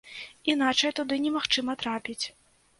Іначай туды немагчыма трапіць.